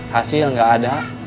hasil gak ada